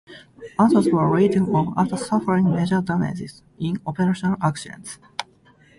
Others were written off after suffering major damage in operational accidents.